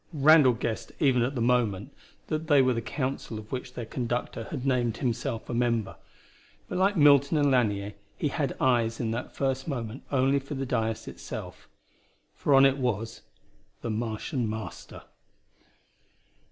Randall guessed even at the moment that they were the council of which their conductor had named himself a member. But like Milton and Lanier, he had eyes in that first moment only for the dais itself. For on it was the Martian Master.